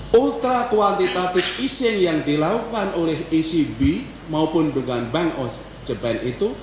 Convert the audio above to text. pada kualitatif ising yang dilakukan oleh ecb maupun dengan bank of japan itu